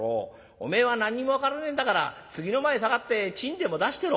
おめえは何にも分からねえんだから次の間へ下がってちんでも出してろ」。